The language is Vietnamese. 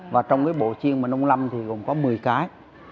và trong cái bộ chiên mân âu lâm thì gồm có một mươi cái